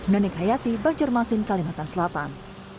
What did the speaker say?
nenek hayati banjir masin kalimantan selatan